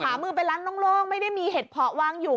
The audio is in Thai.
หามือเป็นร้านโล่งไม่ได้มีเห็ดเพาะวางอยู่